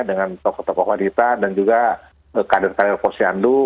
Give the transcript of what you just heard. dengan tokoh tokoh wanita dan juga kader kader posyandu